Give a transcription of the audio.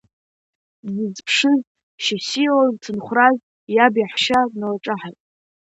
Дзызԥшыз Шьасиа лцынхәрас, иаб иаҳәшьа дналҿаҳаит.